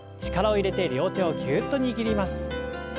力を入れて両手をぎゅっと握ります。